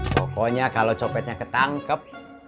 pokoknya kalau copetnya ketangkep